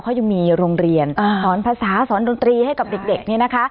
เขายังมีโรงเรียนสอนภาษาสอนดนตรีให้กับเด็กเนี่ยนะคะ